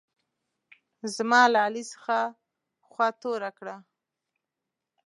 زما له علي څخه خوا توره کړه.